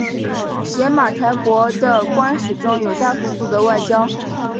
邪马台国的官吏中有大夫负责外交。